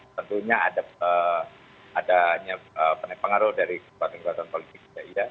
tentunya ada penyepengaruh dari kekuatan kekuatan politik juga ya